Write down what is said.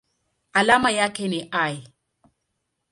Alama yake ni Al.